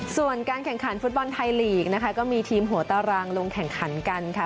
ส่วนการแข่งขันฟุตบอลไทยลีกนะคะก็มีทีมหัวตารางลงแข่งขันกันค่ะ